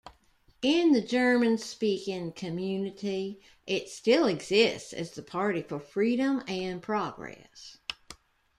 In the German-speaking Community, it still exists as the Party for Freedom and Progress.